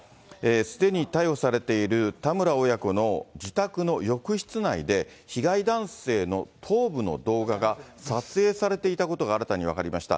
すでに逮捕されている田村親子の自宅の浴室内で、被害男性の頭部の動画が撮影されていたことが新たに分かりました。